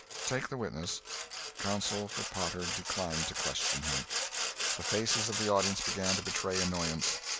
"Take the witness." Counsel for Potter declined to question him. The faces of the audience began to betray annoyance.